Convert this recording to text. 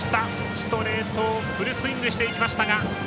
ストレートをフルスイングしていきましたが。